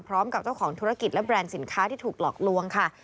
พร้อมกับเจ้าของธุรกิจและแบรนด์สินค้าที่ถูกหลอกลวงค่ะ